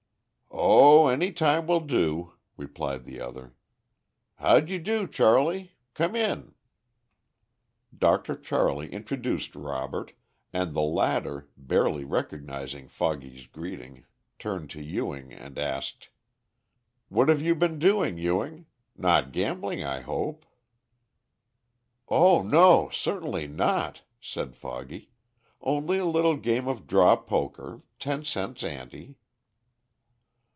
"O any time will do!" replied the other. "How d'ye do, Charley? Come in." Dr. Charley introduced Robert, and the latter, barely recognizing Foggy's greeting, turned to Ewing and asked: "What have you been doing, Ewing? Not gambling, I hope." "O no! certainly not," said Foggy; "only a little game of draw poker, ten cents ante."